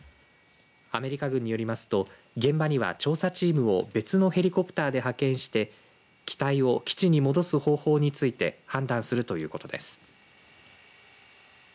アメリカ軍によりますと現場には、調査チームを別のヘリコプターで派遣して機体を基地に戻す方法について判断するということです。